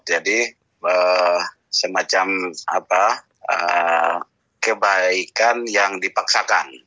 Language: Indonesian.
jadi semacam kebaikan yang dipaksakan